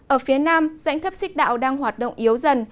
ở phía nam dãnh thấp xích đạo đang hoạt động yếu dần